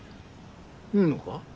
いいのか？